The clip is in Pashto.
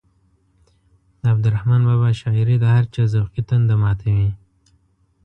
د عبدالرحمان بابا شاعري د هر چا ذوقي تنده ماتوي.